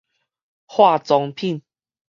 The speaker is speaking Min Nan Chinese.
化妝品